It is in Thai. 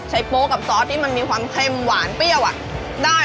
โป๊กับซอสที่มันมีความเค็มหวานเปรี้ยวได้